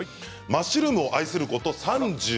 マッシュルームを愛すること